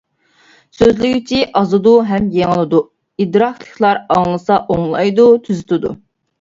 سۆزلىگۈچى ئازىدۇ ھەم يېڭىلىدۇ، ئىدراكلىقلار ئاڭلىسا، ئوڭلايدۇ، تۈزىتىدۇ.